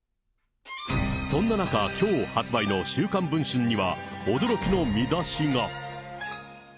そんな中、きょう発売の週刊文春には、驚きの見出しが。